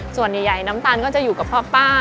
ส่วนใหญ่น้ำตาลก็จะอยู่กับพ่อป้า